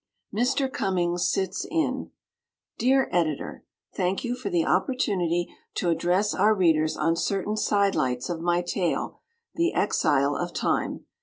Mr. Cummings Sits In Dear Editor: Thank you for the opportunity to address our Readers on certain side lights of my tale, "The Exile of Time."